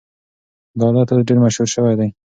دا عادت اوس ډېر مشهور شوی دی.